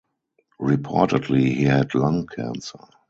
Reportedly he had lung cancer.